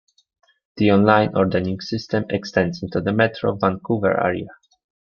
The online ordering system extends into the Metro Vancouver area.